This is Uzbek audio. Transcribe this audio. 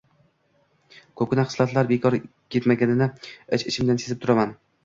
ko’pgina “xislat”lar bekor ketmaganini ich-ichimdan sezib turaman.